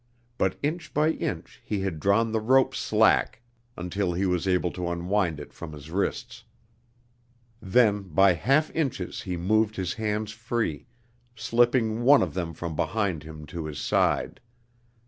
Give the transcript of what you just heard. But inch by inch he had drawn the rope slack until he was able to unwind it from his wrists. Then by half inches he moved his hands free, slipping one of them from behind him to his side.